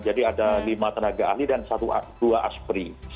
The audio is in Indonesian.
jadi ada lima tenaga ahli dan dua aspri